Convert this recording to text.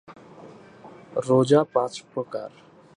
রোজা পাঁচ প্রকার।